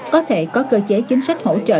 có thể có cơ chế chính sách hỗ trợ